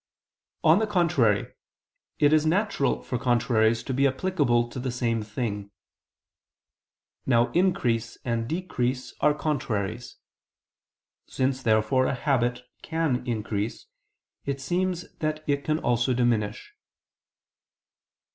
On the contrary, It is natural for contraries to be applicable to the same thing. Now increase and decrease are contraries. Since therefore a habit can increase, it seems that it can also diminish.